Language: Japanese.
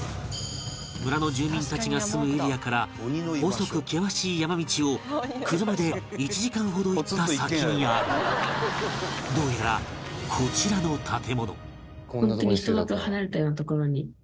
村の住民たちが住むエリアから細く険しい山道を車で１時間ほど行った先にあるどうやらこちらの建物